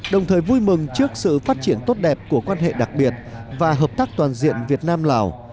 đồng thời vui mừng trước sự phát triển tốt đẹp của quan hệ đặc biệt và hợp tác toàn diện việt nam lào